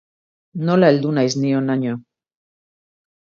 Nola heldu naiz ni honaino.